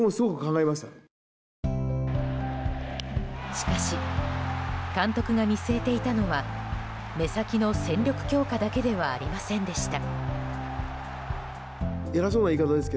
しかし監督が見据えていたのは目先の戦力強化だけではありませんでした。